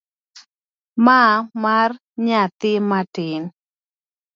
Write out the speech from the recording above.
Ma mar nyathi matin.